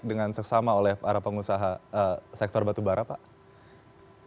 dengan seksama oleh para pengusaha sektor berpengaruh